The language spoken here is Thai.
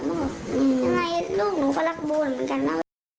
ยังไงลูกหนูก็รักโบเหมือนกันนะ